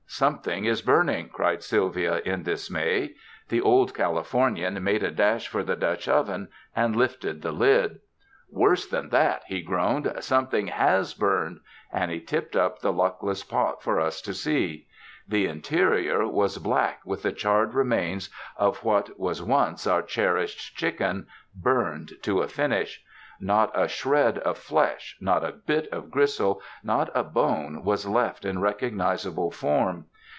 ''Something is burning," cried Sylvia in dismay. The Old Californian made a dash for the Dutch oven and lifted the lid. 297 UNDER THE SKY IN CALIFORNIA "Worse than that," he groaned, "something has burned," and he tipped up the luckless pot for us to see. The interior was black with the charred remains of what was once our cherished chicken, burned to a finish. Not a shred of flesh, not a bit of gristle, not a bone was left in recognizable form.